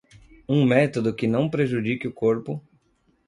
um método que não prejudique o corpo